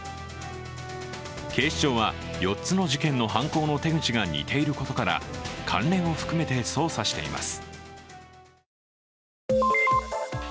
警視庁は４つの事件の犯行の手口が似ていることから関連を含めて捜査しています。